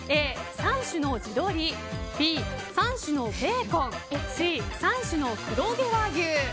Ａ、３種の地鶏Ｂ、３種のベーコンＣ、３種の黒毛和牛。